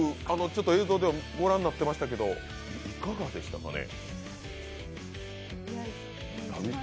映像ではご覧になってましたけどいかがでしたかね？